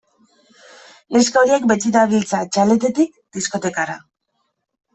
Neska horiek beti dabiltza txaletetik diskotekara.